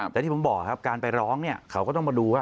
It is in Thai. แต่ที่ผมบอกครับการไปร้องเขาก็ต้องมาดู